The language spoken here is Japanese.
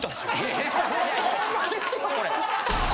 ホンマですよこれ。